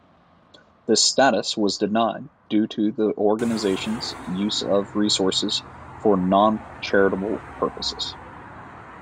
This status was denied due to the organization's use of resources for non-charitable purposes.